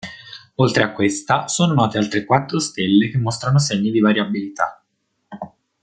Oltre a questa sono note altre quattro stelle che mostrano segni di variabilità.